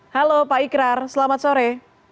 halo pak ikrar selamat sore